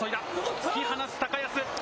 突き放す高安。